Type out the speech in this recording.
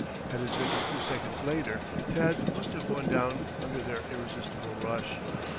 Had it been a few seconds later Tad must have gone down under their irresistible rush.